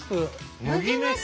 麦飯！